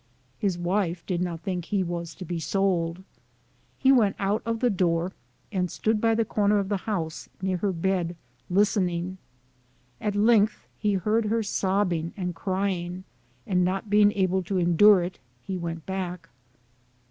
His wife did not think that he was to be sold. He went out of the door, and stood by the corner of the house, near her bed, listening. At length, he heard her sob bing and crying, and not being able to endure it, he went back.